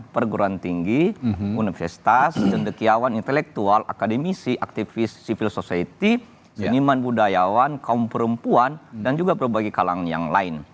perguruan tinggi universitas cendekiawan intelektual akademisi aktivis civil society seniman budayawan kaum perempuan dan juga berbagai kalangan yang lain